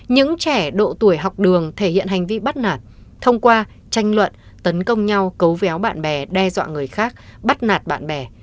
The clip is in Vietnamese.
những trẻ độ tuổi học đường thể hiện hành vi bắt nạt thông qua tranh luận tấn công nhau cấu véo bạn bè đe dọa người khác bắt nạt bạn bè